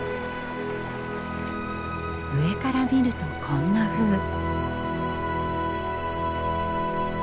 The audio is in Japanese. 上から見るとこんなふう。